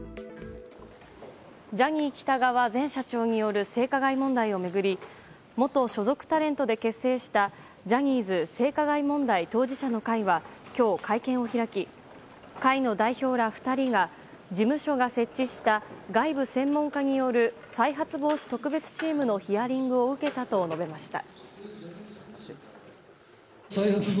ジャニー喜多川前社長による性加害問題を巡り元所属タレントで結成したジャニーズ性加害問題当事者の会は今日、会見を開き会の代表ら２人が事務所が設置した外部専門家による再発防止特別チームのヒアリングを受けたと述べました。